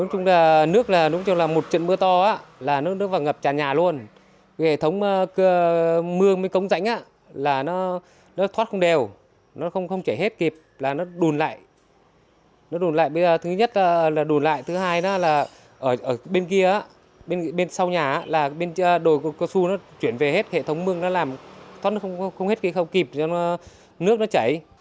hệ thống mưa nó làm không hết kịp nước nó chảy